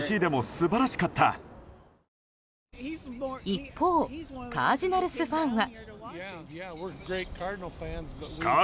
一方、カージナルスファンは。